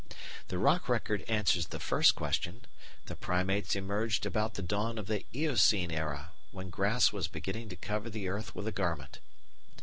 The rock record answers the first question: the Primates emerged about the dawn of the Eocene era, when grass was beginning to cover the earth with a garment.